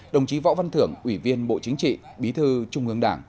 đồng chí võ văn thưởng ủy viên bộ chính trị bí thư trung ương đảng